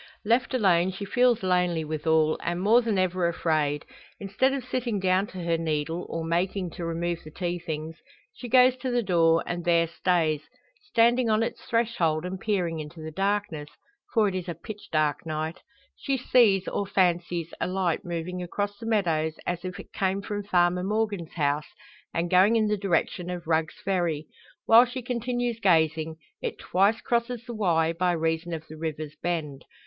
Left alone, she feels lonely withal, and more than ever afraid. Instead of sitting down to her needle, or making to remove the tea things, she goes to the door, and there stays, standing on its threshold and peering into the darkness for it is a pitch dark night she sees, or fancies, a light moving across the meadows, as if it came from Farmer Morgan's house, and going in the direction of Rugg's Ferry. While she continues gazing, it twice crosses the Wye, by reason of the river's bend.